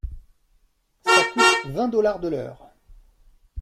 Ça coûte vingt dollars de l’heure.